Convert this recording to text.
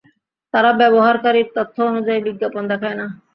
তারা ব্যবহারকারীর তথ্য অনুযায়ী বিজ্ঞাপন দেখায় না।